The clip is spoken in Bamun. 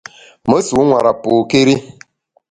Me nsu nwera pôkéri.